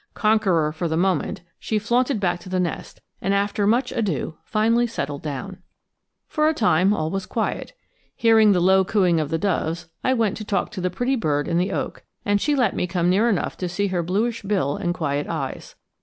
Conqueror for the moment, she flaunted back to the nest, and after much ado finally settled down. For a time all was quiet. Hearing the low cooing of doves, I went to talk to the pretty bird in the oak, and she let me come near enough to see her bluish bill and quiet eyes.